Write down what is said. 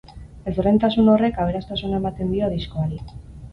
Ezberdintasun horrek aberastasuna ematen dio diskoari.